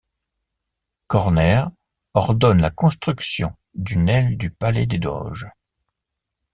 Corner ordonne la construction d'une aile du palais des Doges.